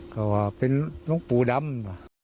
คาว่าเป็นลูกปูดำ